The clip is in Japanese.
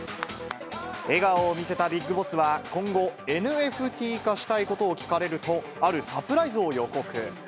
笑顔を見せたビッグボスは、今後、ＮＦＴ化したいことを聞かれると、あるサプライズを予告。